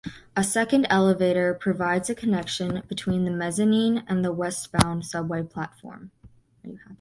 A second elevator provides a connection between the mezzanine and the westbound subway platform.